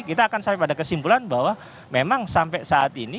kita akan sampai pada kesimpulan bahwa memang sampai saat ini